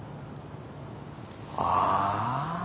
ああ。